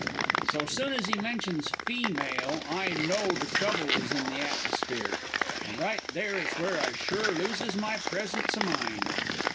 "So soon as he mentions 'feemale' I knowed trouble was in the atmosphere. An' right there is where I sure looses my presence o' mind.